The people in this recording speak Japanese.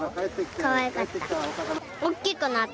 かわいかった。